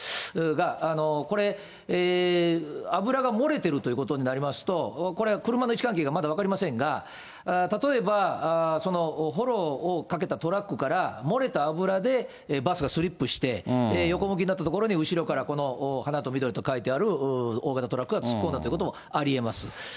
が、これ、油が漏れてるということになりますと、これは車の位置関係がまだ分かりませんが、例えばほろをかけたトラックから漏れた油でバスがスリップして横向きになった所に後ろからこの花と緑と書いてある大型トラックが突っ込んだということもありえます。